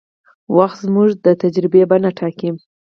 وخت زموږ د تجربې بڼه ټاکي.